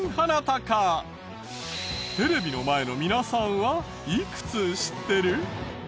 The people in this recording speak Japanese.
テレビの前の皆さんはいくつ知ってる？